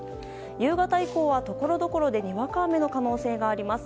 夕方以降は、ところどころでにわか雨の可能性があります。